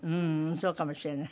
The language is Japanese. そうかもしれない。